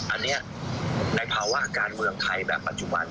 อันนี้ในภาวะการเมืองไทยแบบปัจจุบัน